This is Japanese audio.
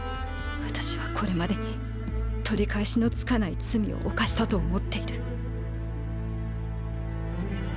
私はこれまでに取り返しのつかない罪を犯したと思っている。